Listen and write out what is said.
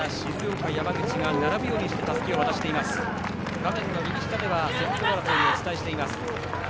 画面の右下では、先頭争いをお伝えしています。